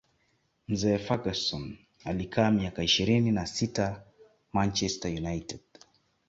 mzee Ferguson alikaa miaka ishirini na sita manchester united